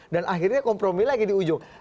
dan akhirnya kompromi lagi di ujung